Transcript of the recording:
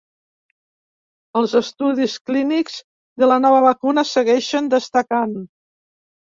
Els estudis clínics de la nova vacuna segueixen destacant.